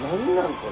これ。